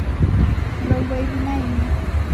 Mrongoiwi na inya